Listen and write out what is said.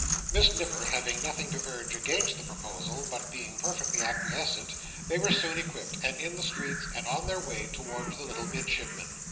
Miss Nipper having nothing to urge against the proposal, but being perfectly acquiescent, they were soon equipped, and in the streets, and on their way towards the little Midshipman.